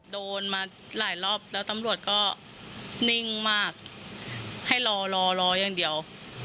โดนมาหลายรอบแล้วตำรวจก็นิ่งมากให้รอรออย่างเดียว